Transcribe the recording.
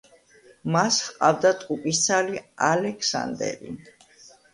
მას ჰყავდა ტყუპისცალი ალექსანდერი.